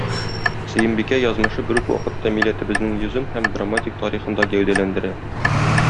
Сөембикә язмышы, бер үк вакытта, милләтебезнең йөзен һәм драматик тарихын да гәүдәләндерә.